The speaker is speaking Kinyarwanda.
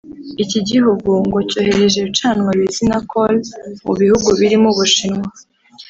Iki gihugu ngo cyoherejwe ibicanwa bizwi na ‘coal’ mu bihugu birimo u Bushinwa